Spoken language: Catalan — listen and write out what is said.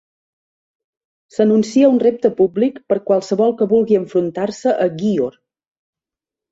S'anuncia un repte públic per a qualsevol que vulgui enfrontar-se a Gyor.